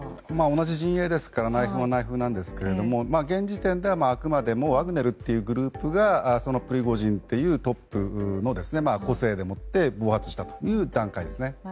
同じ陣営ですから内紛は内紛なんですけれども現時点では、あくまでもワグネルというグループがプリゴジンというトップの統制でもって防圧したという段階ですね。